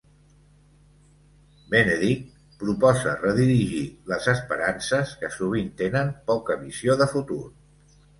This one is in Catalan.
Benedict proposa redirigir les esperances que sovint tenen poca visió de futur.